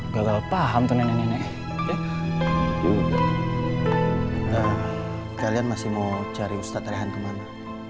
gagal paham tenenek ya juga kalian masih mau cari ustadz rehan kemana